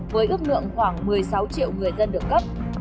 với ước lượng khoảng một mươi sáu triệu người dân được cấp